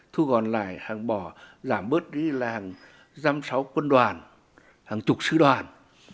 thu gọn lại hàng bò giảm bớt đi là hàng giám sáu quân đoàn hàng chục sứ đoàn